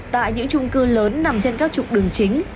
tại những trung cư lớn nằm trên các trục đường chính